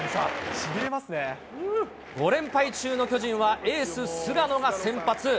５連敗中の巨人はエース、菅野が先発。